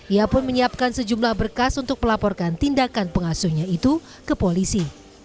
ia pun menyiapkan sejumlah berkas untuk melaporkan tindakan pengasuhnya itu ke polisi